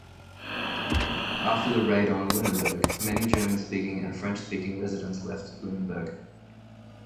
After the Raid on Lunenburg, many German speaking and French speaking residents left Lunenburg.